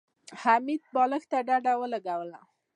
حميد بالښت ته ډډه ولګوله.